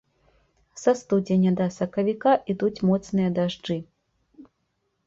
Са студзеня да сакавіка ідуць моцныя дажджы.